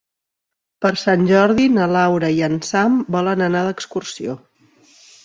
Per Sant Jordi na Laura i en Sam volen anar d'excursió.